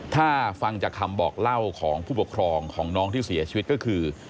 ถ้าฟังจากคำบอกเล่าของผู้ปกครองของน้องที่เสียชีวิตก็คือ